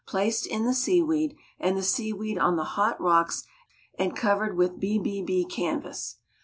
placed in the seaweed, and the seaweed on the hot rocks and covered with BBB canvas.